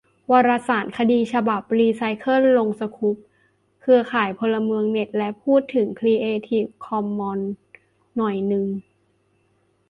วารสาร 'สารคดี' ฉบับ 'รีไซเคิล' ลงสกู๊ป เครือข่ายพลเมืองเน็ต และพูดถึงครีเอทีฟคอมมอนส์หน่อยนึง